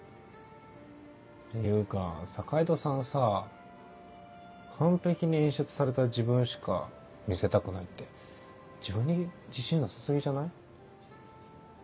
ていうか坂井戸さんさぁ完璧に演出された自分しか見せたくないって自分に自信なさ過ぎじゃない？